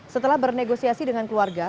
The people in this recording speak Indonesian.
setelah bernegosiasi dengan keluarga